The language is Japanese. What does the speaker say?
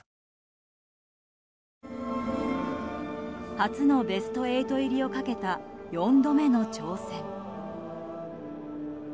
初のベスト８入りをかけた４度目の挑戦。